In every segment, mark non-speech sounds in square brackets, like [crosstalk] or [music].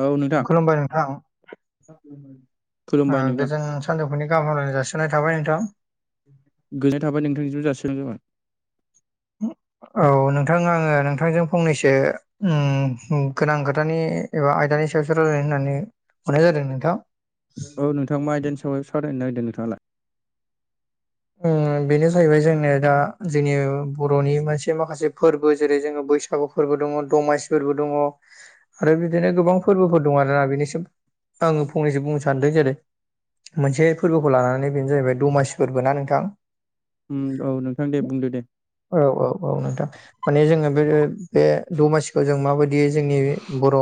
औ नोंथां खुलुमबाय नोंथां ओ खुलुमबाय नोंथां गोजोन सानजौफुनि गाहाम हामलायनाय जासिहरनाय थाबाय नोंथां। गोजोननाय थाबाय नोंथांनिसिम जासिहरनायब जाबाय। औ नोंथां आंङो नोंथांजों फंनैसो उम हुम गोनां खोथानि एबा आयदानि सायावसो रायलायनो होननानै हरनाय जादों नोंथां। औ नोंथां आइदानिसायाव सावारायनो नागेरदों नोंथांङालाय? ओ बेनो जाहैबाय जोंनो दा जोंनि बर'नि मोनसे माखासे फोरबो जेरै जोंङो बैसा सागु फोरबो दंङ दमासिफोरबो दंङ। आरो बिदिनो गोबां फोरबोफोर दं आरोना बेनिसिम आंङो फंनैसो बुंनो सानदों जेरै मोनसे फोरबोखौ लानानै बेनो जाहैबाय दमासि फोरबो ना नोंथां उम दं नोंथां दे बुंदो दे औ औ औ नोंथां माने जोंङो बे बे दमासिखौ जों माबायदि दि जोंनि बर'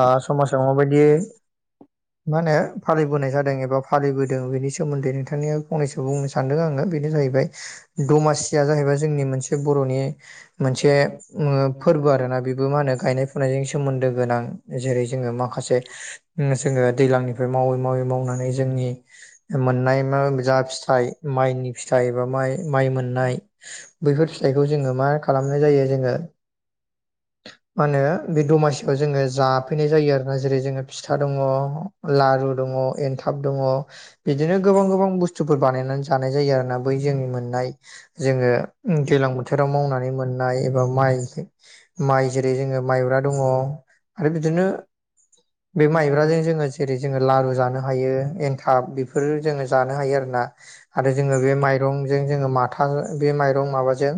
आ समाजाव माबायदि मा होनो फालिबोनाय जादों एबा फालिबोदों बेनि सोमोन्दै नोंथांनिया फंनैसो बुंनो सान सानदों आंङो बेनो जाहैबाय दमासिया जाहैबाय जोंनि मोनसे बर'नि मोनसे उङो फोरबो आरो ना बेबो मा होनो गायनाय फुनायजों सोमोन्दो गोनां जेरै जोंङो माखासे उम जोंङो दैलांनिफ्राय मावै मावै मावनानै जोंनि मोननाय मा जा फिथाइ माइनि फिथाइ एबा मा-माइ मोननाय बैफोर फिथइखौ जोंङो मारोखो खालामनाय जायो जोंङो मा होनो बे दमासिखौ जोंङो जाफैनाय जायो आरो। जेरै जोंङो फिथा दंङ लारु दंङ एनथाब दंङ बिदिनो गोबां गोबां बुस्थुफोर बानायनानै जानाय जायो आरो ना बै जोंनि मोननाय जोंङो दैलां बोथोराव मावनानै मोननाय एबा माइ माइ जेरै जोंङो माइब्रा दंङ आरो बिदिनो बे माइब्राजों जोंङो जेरै जोंङो लारु जानो हायो एन्थाब बेफोरो जोंङो जानो हायो आरोना आरो जोंङो बे माइरंजों जोंङो माथा थांङो बे माइरं माबाजों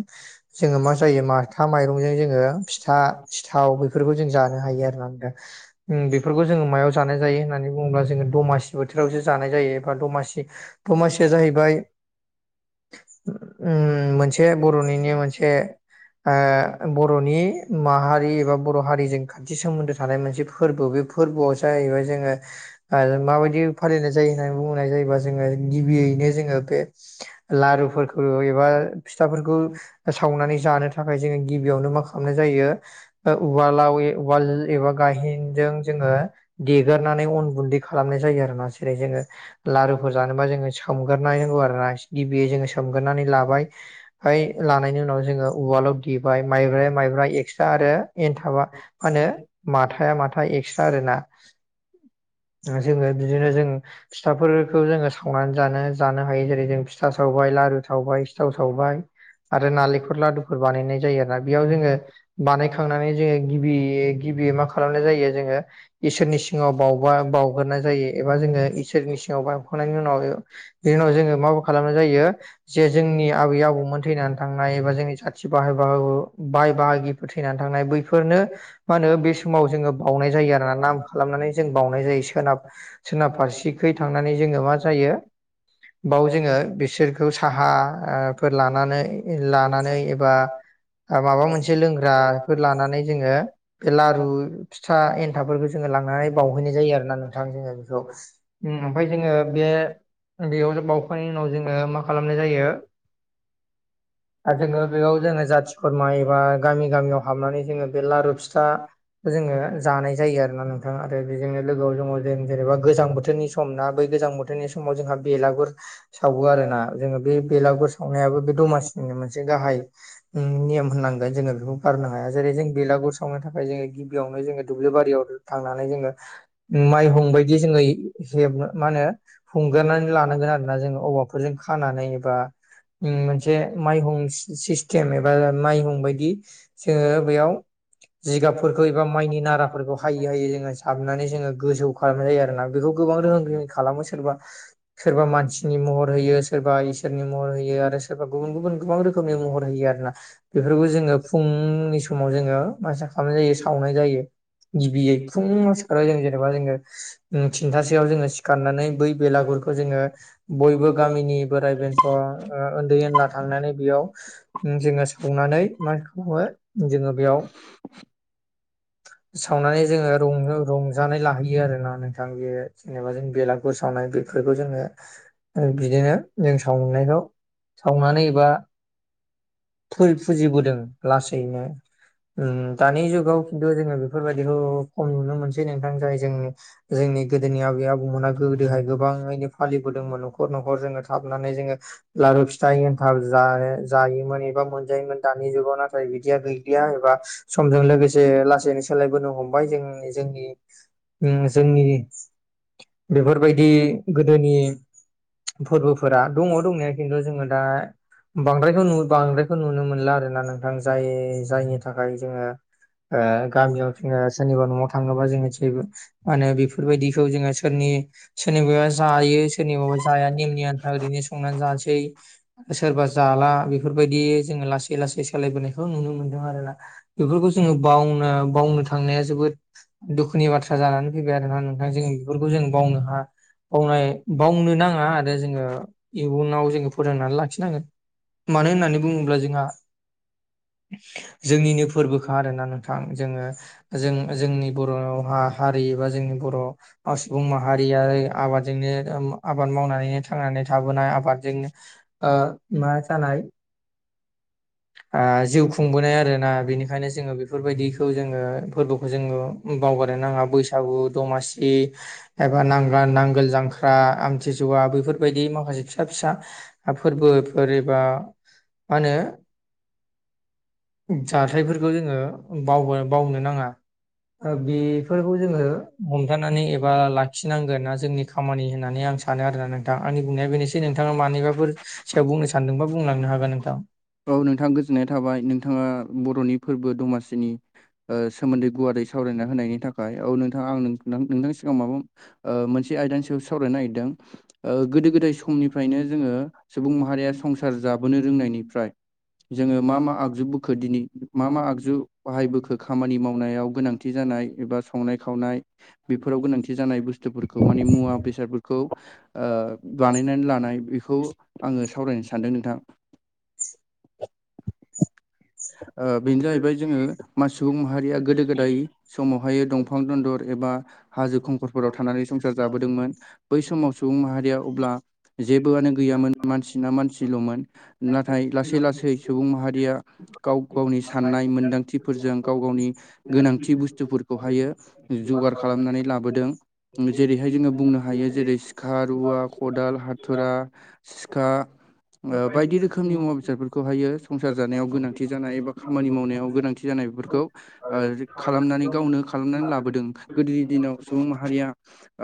जोंङो मा जायो माथा माइरंजों जोंङो फिथा सिथाव बेफोरखौ जों जानो हायो आरो ना नोंथां। उम बेफोरखौ जो मायाव जानायजायो होननानै बुंङोब्ला जोंङो दमासि बोथोरावसो जानाय जायो। एबा दमासि दमासिया जा बाय उम मोनसे बर'निनो मोनसे आ बर'नि माहारि एबा बर' हारिजों खाथि सोमोन्दो थानाय मोनसे फोरबो बे फोरबोआव जाहैबाय जोंङो आरो माबायदि फालिनाय जायो होननानै बुंनाय जायोबा जोंङो गिबियैनो जोंङो बे लारुफोरखौ एबा फिथाफोरखौ सावनानै जानो थाखाय जोंङो गिबियावनो मा खालामनाय जायो ओ उवालाव ए उवाल एबा गाहेनजों जोंङो देगोरनानै अन गुन्दै खालामनाय जायो आरो ना जेरै जोंङो लारुफोर जानोबा जोंङो सोम [unintelligible] [unintelligible] सोम्रनाय नांगौ आरो ना गिबियै जोङो सोमगोरनानै लाबाय फाय लानायनि उनाव जोंङो उवालाव देबाय माइब्राय माइब्रा एक्सट्रा आरो एनथाबा माहोनो माथाया माथा एक्सट्रा आरो ना जोंङो बिदिनो जों फिथाफोरखौ जोंङो सावनानै जानो जानो हायो जेरै जों फिथा सावबाय, लारु सावबाय, सिथाव सावबाय, आरो नालेंखल लादुफोर बानायनाय जायो आरो ना। बेयाव जोंङो बानायखांनानै जोंङो गिबि गिबि मा खालामनाय जायो जोङो इसोरनि सिङाव बावबा बाव हग्रनाय जायो एबा जोङो इसोरनि सिङाव ब हखांनायनि उनाव बिनि उनाव जोङो माबा खालामनाय जायो जे जोंनि आबै आबौमोन थैनानै थांनाय एबा जोंनि जाथि बाहाय बाग बाहाय बाहागि थैनानै थांनाय बैफोरनो मा होनो बे समाव जोंङो। बावनाय जायो आरोोना नाम खालामनानै जों बावनाय जायो सोनाब सोरोनफारसेखै थांनानै जोंङो मा जायो। बाव जोंङो बिसोरखौ साहा फोर लानानै लानानै एबा माबा मोनसे लोंग्राफोर लानानै जोङो बे लारु फिथा एन्थाबफोरखौ ज जोङो लांनानै बावहैनाय जायो आरोोना नोंथां जोंङो बेखौ ओमफ्राय जोंङो बे बेयाव बाउखांनायनि उनाव जोंङो मा खालामनाय जायो। आरो जोंङो बेयाव जोंङो जाथि खुरमा एबा गामि गामियाव हाबनानै जोंङो बे लारु फिथा बयबो जोंङो जानाय जायो। आरो ना नोंथांङा आरो बेजोंनो लोगोआव जों जेनेबा गोजां बोथोरनि सम ना बै गोजां बोथोरनि समाव जोंहा बेलागुर सावो आरो ना जोंङो बे बेलागुर सावनायाबो बे दमासिनिनो मोनसे गाहाय नियम होननांगोन जोंङो। बे बारनो हाया जेरै जों बेलागुर सावनो थाखाय जों बेयावनो जोंङो दुब्लि बारियाव थांनानै जोंङो माइहुं बायादि जोङो हेब मा होनो हुंगारनानै लानांगोन आरोना जों औबवाफोरजों गामि खानानै एबा जों मोनसे माइहुं सिस्टेम एबा माइहुं बायदि जोङो बेयाव जिगाबफोरखौ एबा माइनि नाराफोरखौ हायै हायै जोंङो साबनानै जोंङो गोजौ खालामनाय जायो। आरोना बेखौ गोबां रोखोम रोखोमनि खालामो स सोरबा सोरबा मानसिनि महर होयो सोरबा इसोरनि महर होयो। आरो सोरबा गुबुन गुबुन गोबां रोखोम रोखोमनि महर होयो आरोना। बेफोरखौ जोङो फुंनि समाव जोङो मासा खालामनाय जायो सावनाय जायो। गिबियै फुं सिखारो जों जेनेबा जोंङो थिनथाासोआव जोंङो गाननानै बै बेलागुरखौ जोङो बयबो गामिनि बोराय बे अ ओ उन्दै उनला थांनानै बेयाव जोंङो सावनानै मा खालामो जोंङो बेयाव सावनानै जोंङो रं रं जानाय लाहैयो आरोना नोंथां बेयो जेनेबा जों बेलागुर सावनाय बेफोरखौ जोंङो आरो बिदिनो जोंनि जों सावनायखौ सावनानै एबा फो फुजिबोदों लासैनो उम। दानि जुगाव खिन्थु जोंङो बेफोरबायदिखौ खम नुनो मोनसै। नोंथां जाय जोंनि जोंनि गोदोनि आबै आबौमोना गोदोहाय गोबां फालिदों नखर नखर जोंङो थाबनानै जोंङो लारु फिथा ज जायोमोन एबा मोनजायोमोन दानि जुगाव नाथाय बिदिया गैलिया एबा समजों लोगोसे लासैनो सोलायबोनो हमबाय जोंनि जोंनि उम जोंनि बेफोरबायदि गोदोनि फोरबोफोरा दङ दंनाया खिन्थु जोंङो दा बांद्रायखौ बांद्रायखौ नुनो मोनला आरो ना नोंथां जाय जायनि थाखाय जोंङो ओ गामियाव जङो सोरनिबा न'आव थाङोबा जोंङो मा होनो बेफोरबायदिखौ जोंङो सोरनि सोरनिबा जायो सारनिबा बा जाया नेमनि आन्था ओरैनो संनानै जानोसै सोरबा जाला बेफोरबायदि जोंङो लासै लासै सोलायबोनायखौ नुनो मोन्दों आरोना। बेफोरखौ जोंङो बावनो बावनो थांनाया जोबोद दुखुनि बाथ्रा जानानै फैबाय आरोना नोंथां जों बेफोरखौ जों बावनो हा बावनाय बावनो नाङा आरो जोङो इयुनाव जोङो फोरोंनानै लाखिनांगोन। मानो होननानै बुङोब्ला जोंहा जोंनिनो फोरबोखा आरोना। थां जोङो जों जोंनि बर' हा -हारि बा जोंनि बर' सुबुं माहारियारि आबाद जोंनो आबाद मावनानैनो थांनानै थाबोनाय आबादजोंनो ओ मा जानाय ओ जिउ खुंबोनाय आरो ना बेनिखायनो जोङो बे बेफोरबायदिखौ जोङो फोरबोखौ जोङो बावगारनो नाङा बैसागु दमासि एबा नांग नांगोल जांख्रा आमथि जुवा बेफोरबायदि माखासे फिसा औ नोंथां फिसा फोरबोफोर एबा मा होनो जाथायफोरखौ जोङो बाव बावनो नाङा। ओ बेफोरखौ जोङो हमथानानै एबा लाखिनांगोना जोंनि खामानि होननानै आं सानो आरोना नोंथां आंनि बुंनाया बेनोसै नोंथाङा मानिबाफोर सायाव बुंनो सानदोंबा बुंलांनो हागोन नोंथां। औ नोंथाङा गोजोननाय थाबाय नोंथाङा बर'नि फोरबो दमासिनि सोमोन्दै गुवारै सावरायना होनायनि थाखाय। औ नोंथां आं नों नोंथांनि सिगांआव माबा मोनसे ओ आयदानि सायावसो सावरायनो नागिरदों। ओ गोदो- गोदाय समनिफ्रायनो जोङो सुबुं माहारिया संसार जाबोनो रोंनायनिफ्राय जोङो मा मा आगजु खो दिनै मा मा आगजु बाहाय बखो खामानि मावनायाव गोनांथि जानाय एबा संनाय खावनाय बेफोराव गोनांथि जानाय बुस्थुफोरखौ मानि मुवा बेसादफोरखौ ओ बानायनानै लानाय बेखौ आङो सावरायनो सानदों नोंथां। ओ बेनो जाहैबाय जोङो मा सुबुं माहारिया गोदो -गोदाय समावहायो दंफां दन्दर एबा हाजो खंखरफोराव थानानै संसार जाबोदोंमोन। बै समाव सुबुं माहारिया अब्ला जेबोआनो गैयामोन मानसिना मानसिल'मोन। ज' नाथाय लासै लासै सुबुं माहारिया गाव गावनि साननाय मोनदांथिफोरजों गाव गावनि गोनांथि बुस्थुफोरखौहायो जगार खालामनानै लाबोदों। जेरैहाय जोङो बुंनो हायो जेरै सिखा, रुवा खदाल, हाथुरा सिखा थालायनानै ओ बायदि रोखोमनि मुवा बेसादफोरखौहायो संसार जानायाव गोनांथि जानाय एबा खामानि मावनायाव गोनांथि जानाय बेफोरखौ खालामनानै गावनो खालामनानै लाबोदों। गोदोनि दिनाव सुबुं माहारिया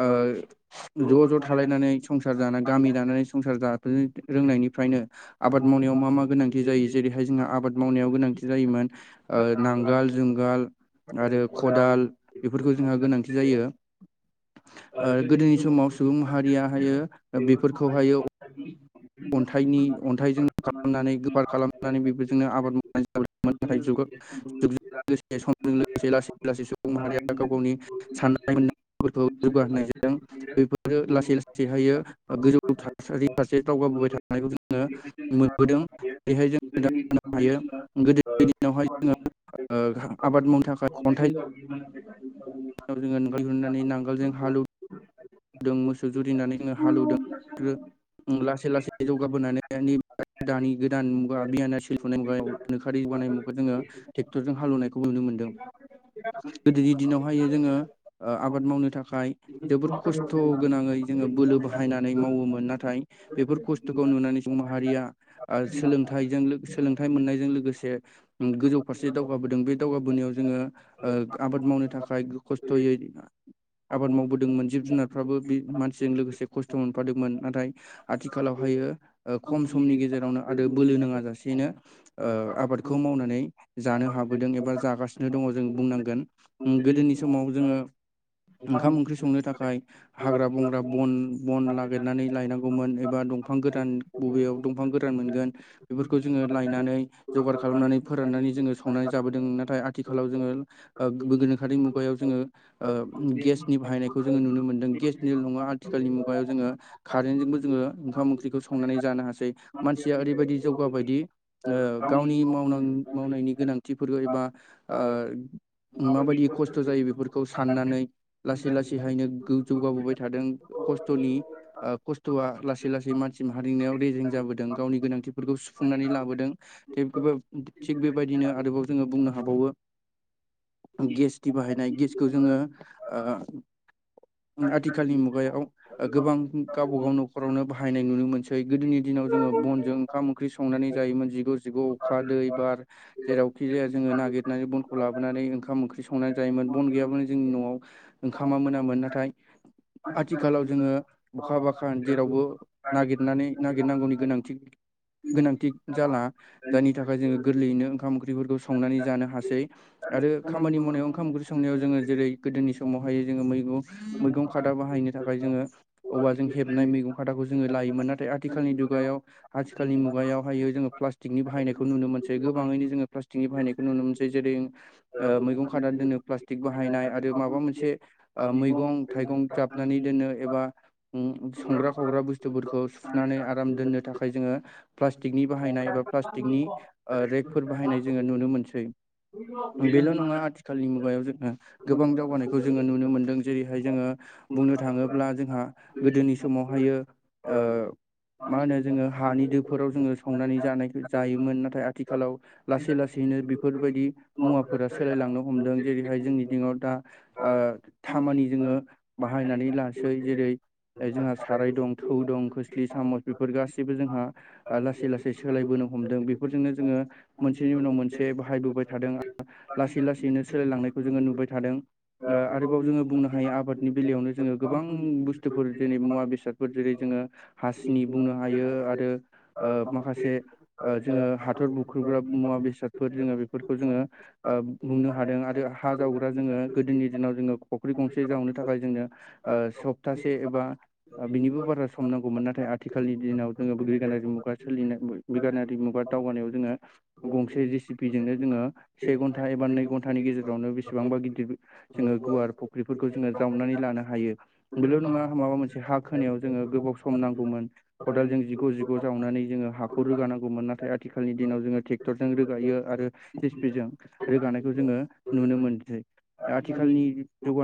ओ ज' ज' थालायनानै संसार जानानानै गामि गामियानो दानानै संसार जानो रोंनायनिफ्रायनो आबाद मावनायाव मा मा गोनांथि जायो जेरैहाय जोंहा आबाद मावनायाव गोनांथि जायोमोन नांगाल- जुंगाल आरो खदाल बेफोरखौ जोंहा गोनांथि जायो। ओ गोदोनि समाव सुबुं मब माहारियाहायो म बेफोरखौहायो [unintelligible] अन्थाइनि अन्थाइजों खालामनानै गोफार खालामनानै बेबा दिनो जोंनो आबाद मावनाय जाबाय नाथाय जुगा जुग- जुग लोगोसे समजों लोगोसे लासै लासै सुबुं माहारिया गाव गावनि साननाय मोननायफोरखौ जौगाहोनायजों बेफोरो लासै लासैहायो गोजौ थासारि सासे दावगाबोबाय थानायखौ जोङो मोनबोदों बेहाय जों हाय गोदोनि दिनावहाय जोङो आबाद मावनो थाखाय खन्था ज [unintelligible] व जोङो नांगोल दिहुननानै नांगोल जजों हालएव दों मोसौ जुरिनानै जङो हालेवदों आरो लासै लासै जौगाबोनानै दानि गोदान मुगा [unintelligible] ट्रेक्टरजों हालेनायखौ नुनो मोनदों। गोदोनि दिनावहाय जोङो आबाद मावनो थाखाय जोबोद खस्थ' स्थ' गोनाङै जोङो बोलो बाहायनानै मावोमोन नाथाय बेफोर खस्थ'खौ नुनानै माहारिया सोलोंथाइजों सोलोंथाइ मोननायजों लोगोसे गोजौ फारसे दावगाबोदों बे दावगाबोनायाव जोङो आबाद मावनो थाखाय खस्थ'यै आबाद मावबोदोंमोन जिब जुनार फाबो बे मानसिजों लोगोसे खस्थ' मोनफादोंमोन नाथाय आथिखालावहायो खम समनि गेजेरावनो आरो बोलो नाङा जाासेनो आबादखौ मावनानै जानो हाबोदों एबा जागासिनो दङ जों बुंनांगोन गोदोनि समाव जोङो ओंखाम ओंख्रि संनो थाखाय हाग्रा बंग्रा बन बन नागिरनानै लायनांगौमोन एबा दंफां गोदान बबेयाव दंफां गोरान मोनगोन बेफोरखौ जोङो लायनानै जगार खालामनानै फोराननानै जोङो संनानै जाबोदों नाथाय आथिखालाव जोङो गोनोखारि मुगायाव जोङो गेसनि बाहायनायखौ जोङो नुनो मोनदों जों गेस निल नङा आथिखालनि मुगायाव जोङो खारेन्जोंबो जोङो ओंखाम ओंख्रिखौ संनानै जानो हासै मानसिया ओरैबायदि जौगाबायदि गावनिन मावनायनि गोनांथिफोरखौ एबा माबायदि खस्थ' जायो बेफोरखौ साननानै लासै लासैहायनो जौगाबोबाय थादों खस्थ'नि खस्थ'आ लासै लासै मानसि हारिंनायाव रेजें जाबोदों गावनि गोनांथिफोरखौ सुफुंनानै लाबोदों थेबो थिग बेबायदिनो आरोबाव जोङो बुंनो हाबावो गेसथि बाहायनाय गेसखौ जोङो आथिखालनि मुगायाव गोबां गावबाागाव न'खरावनो बाहायनाय नुनो मोनसै गोदोनि दिनाव जोङो बनजों ओंखाम ओंख्रि संनानै जायोमोन जिगु जिगु अखा दै बार जेरावखि जाया जोङो नागिरनानै बनखौ लाबोनानै ओंखाम ओंख्रि संनानै जायोमोन बन गैयाबानो जोंनि न'आव ओंखामा मोनामोन नाथाय आथिखालाव जोङो अखा बाखान जेरावबो नागिरनानै नागिरनांगौनि गोनांथि गोनांथि जाला जायनि थाखाय जोङो गोरलैयैनो ओंखाम ओंख्रिफोरखौ संनानै जानो हासै आरो खामानि मावनायाव ओंखाम ओंख्रि संनायाव जोङो जेरै गोदोनि समावहाय जोङो मैगं मैगं खादा बाहायनो थाखाय जोङो औवाजों हेबनाय मैगं खादाखौ जोङो लायोमोन नाथाय आथिखालनि दुगायाव आथिखालनि मुगायावहायो जोङो प्लास्टिकनि बाहायनायखौ नुनो मोनसै गोबाङैनो जोङो प्लास्टिकनि बाहायनाय नुनो मोनसे जेरै ओ मैगं खादाजोंनो फ्लास्क बाहायनाय आरो माबा मोनसे मैगं थाइगं जाबनानै दोनो एबा संग्रा खावग्रा बुस्थुफोरखौ सुुनानै आराम दोननो थाखाय जोङो प्लास्टिकनि बाहायनाय एा प्लास्टिकनि रेगफोर बाहायनाय जोङो नुनो मोनसै बेल' नङा आथिखालनि मुगायाव जोङो गोबां दावगानायखौ जोङो नुनो मोनदों जेरैहाय जोङो बुंनो थाङोब्ला जोंहा गोदोनि समावहायो मा होनो जोङो हानि दोफोराव जोङो संनानै जानाय जायोमोन नाथाय आथिखालाव लासै लासैनो बेफोरबायदि मुवाफोरा सोलायलांनो हमदों जेरैहाय जोंनि दिङाव दा ओ खामानि जोङो बाहायनानै लसै जेरै जोंहा साराय दं थौ दं खोस्लि सामस बेफोर गासैबो जोंहा लासै लासै सोलायबोनो हमदों बेफोरजोंनो जोङो मोनसेनि उनाव मोनसे बाहायबोबाय थादों लासै लासैनो सोलायलांनायखौ जोङो नुबाय थादों आरोबाव जोङो बुंनो हायो आबादनि बेलायावनो जोङो गोबां बुस्थुफोर जेरै मुवा बेसादफोर जेरै जोङो हासिनि बुंनो हायो आरो माखासे जोङो हाथर बुख्रुबग्रा मुवा बेसादफोर जोङो बेफोरखौ जोङो बुंनो हादों आरो हा जावग्रा जोङो गोदोनि दिनाव जोङो फुख्रि गंसे जावनो थाखाय जोङो सप्तासे एबा बिनिबो बारा सम नांगौमोन नाथाय आथिखालनि दिनाव जोङो ग्रिगानारि मुगा सोलिनाय बिगानारि मुगा दावगानायाव जोङो गंसे जेसिपिजोंनो जोङो से घन्टा एबा नै घन्टानि गेजेरावनो बेसेबांबा गिदिर जोङो गुवार फुख्रिफोरखौ जोङो जावनानै लानो हायो बेल' नङा माबा मोनसे हा ख होनायाव जोङो गोबाव सम नांगौमोन खदालजों जिग' जिग' जावनानै जोङो हाखौ रोगानांगौमोन नाथाय आथिखालनि दिनाव जोङो ट्रेक्टरजों रोगायो आरो जोङो रोगानायखौ जोङो नुनो मोनसै आथिखालनि जौ